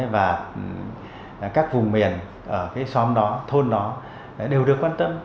và các vùng miền ở cái xóm đó thôn đó đều được quan tâm